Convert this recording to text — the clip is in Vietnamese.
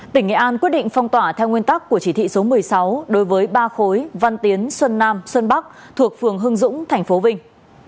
tỉnh nghệ an quyết định phong tỏa theo nguyên tắc của chỉ thị số một mươi sáu đối với ba khối văn tiến xuân nam xuân bắc thuộc phường hưng dũng thành phố vinh